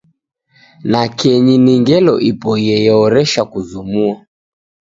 Nakenyi ni ngelo ipoie ye horesha kuzumua